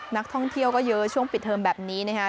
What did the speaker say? นักท่องเที่ยวก็เยอะช่วงปิดเทอมแบบนี้นะคะ